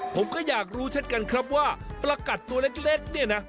ผมก็อยากรู้เช่นกันครับว่าประกัดตัวเล็กเนี่ยนะ